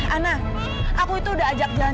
ana aku itu udah ajak jalan